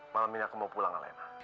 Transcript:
malam ini aku mau pulang alena